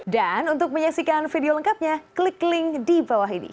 dan untuk menyaksikan video lengkapnya klik link di bawah ini